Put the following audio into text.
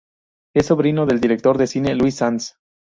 Es sobrino del director de cine Luis Sanz.